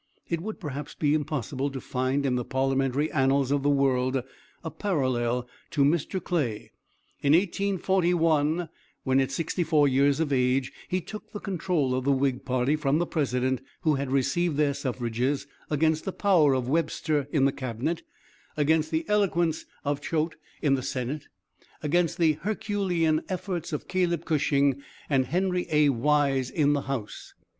It would, perhaps, be impossible to find in the parliamental annals of the world a parallel to Mr. Clay, in 1841, when at sixty four years of age he took the control of the Whig party from the President who had received their suffrages, against the power of Webster in the Cabinet, against the eloquence of Choate in the Senate, against the herculean efforts of Caleb Cushing and Henry A. Wise in the House.